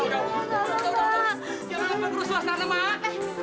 udah udah jangan lupa berusaha sana mak